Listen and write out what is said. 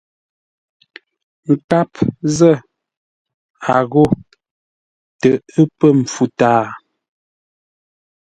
Nkâp zə̂, a ghô: tə ə́ pə̂ mpfu tâa.